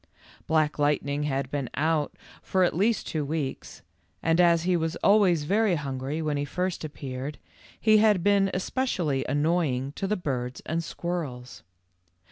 Black Lightning had been out for at least two weeks, and as he was always very hungry when he first appeared, he had been especially annoying to the birds and squirrels.